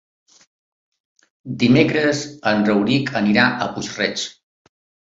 Dimecres en Rauric irà a Puig-reig.